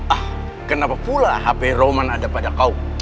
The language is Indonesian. ah kenapa pula hp roman ada pada kau